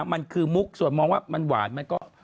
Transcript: มันคือมุกส่วนมองว่ามันหวานมันก็